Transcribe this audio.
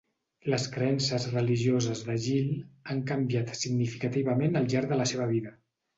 Les creences religioses de Gil han canviat significativament al llarg de la seva vida.